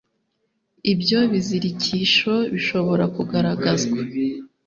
ibyo bizirikisho bishobora kugaragazwa